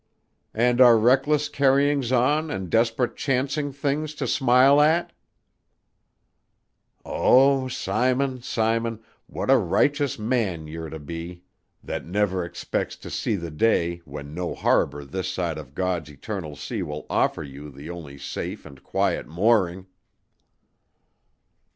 "And are reckless carryings on and desperate chancing things to smile at?" "O Simon, Simon, what a righteous man you're to be that never expects to see the day when no harbor this side of God's eternal sea will offer you the only safe and quiet mooring!"